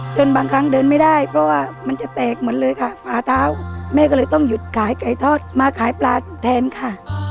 บางครั้งเดินไม่ได้เพราะว่ามันจะแตกหมดเลยค่ะฝาเท้าแม่ก็เลยต้องหยุดขายไก่ทอดมาขายปลาแทนค่ะ